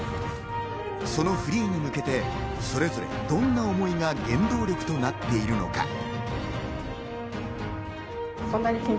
そのフリーに向けて、それぞれどんな思いが原動力となっているのか。